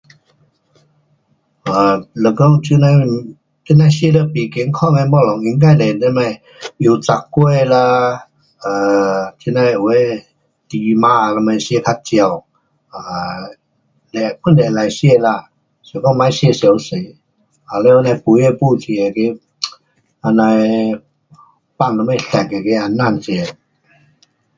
啊，若讲这样的，这样的吃了不健康的东西应该是什么油炸糕啦，啊，这样的有的猪嫲什么吃较少，啊，嘞反正要吃啦，是讲别吃太多，啊完嘞，有真没假，这样的放什么色那个也别吃。